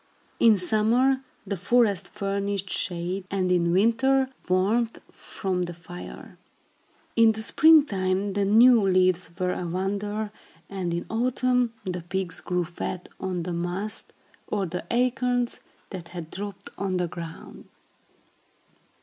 In summer, the forest furnished shade, and in winter warmth from the fire. In the spring time, the new leaves were a wonder, and in autumn the pigs grew fat on the mast, or the acorns, that had dropped on the ground.